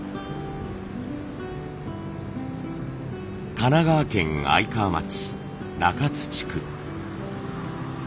神奈川県愛川町中津地区。